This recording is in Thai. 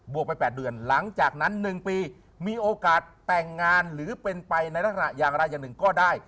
วกไป๘เดือนหลังจากนั้น๑ปีมีโอกาสแต่งงานหรือเป็นไปในลักษณะอย่างไรอย่างหนึ่งก็ได้